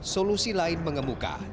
solusi lain mengemuka